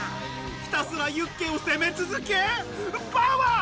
ひたすらユッケを攻め続け、パワー！